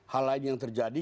hal lain yang terjadi